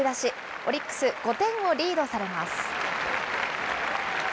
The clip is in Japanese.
オリックス、５点をリードされます。